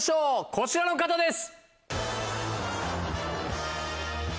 こちらの方です。